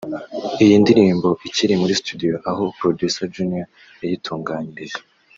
Iyi ndirimbo ikiri muri Studio aho Producer Junior yayitunganyirije